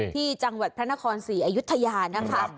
ที่จังหวัดพระนครศรีอยุธยานะคะ